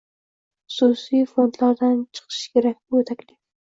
Xususiy fondlardan chiqishi kerak bu taklif.